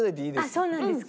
あっそうなんですか。